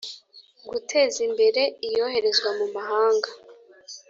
Guteza Imbere Iyoherezwa mu mahanga